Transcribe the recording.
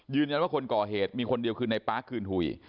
ยืนยันว่าคนก่อเหตุมีคนเดียวคือในป๊าคืนหุ่ย